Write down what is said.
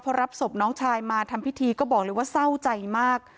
พอรับศพน้องชายมาทำพิธีก็บอกเลยว่าเศร้าใจมาก